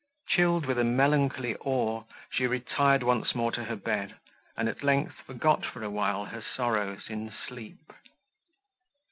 Chilled with a melancholy awe, she retired once more to her bed, and, at length, forgot for a while her sorrows in sleep.